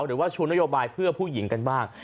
หรือว่าชูนโยบายเพื่อผู้หญิงกันบ้าง